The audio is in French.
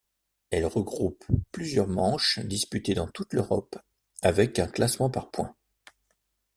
Elle regroupe plusieurs manches disputées dans toutes l'Europe avec un classement par points.